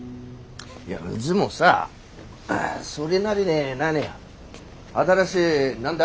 いやうぢもさそれなりに何新しい何だ？